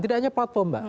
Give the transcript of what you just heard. tidak hanya platform mbak